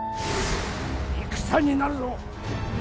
戦になるぞ。